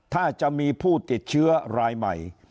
ถ้าจะมีผู้ติดเชื้อรายใหม่